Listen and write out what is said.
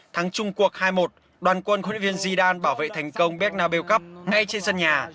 thắng chung cuộc hai một đoàn quân hlv zidane bảo vệ thành công bernabeu cup ngay trên sân nhà